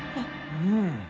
うん。